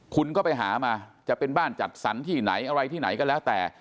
คุณก็ไปหามาจะเป็นบ้านจัดสรรที่ไหนอะไรที่ไหนก็แล้วแต่